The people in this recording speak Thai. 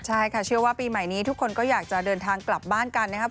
ใช่ค่ะเชื่อว่าปีใหม่นี้ทุกคนก็อยากจะเดินทางกลับบ้านกันนะครับ